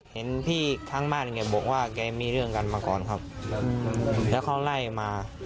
เห็นพี่ทั้งบ้านแกบอกว่าแกมีเรื่องกันมาก่อนครับแล้วเขาไล่มา